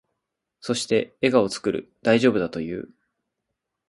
そして、笑顔を作る。大丈夫だと言う。